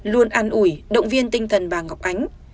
luôn an ủi động viên tinh thần bà ngọc ánh